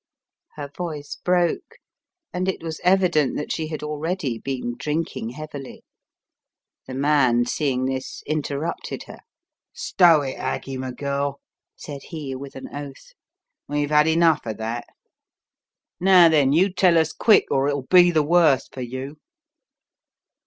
Her voice broke, and it was evident that she had already been drinking heavily. The man, seeing this, interrupted her. "Stow it, Aggie, my girl," said he with an oath. "We've had enough of that. Now, then, you tell us quick or it will be the worst for you."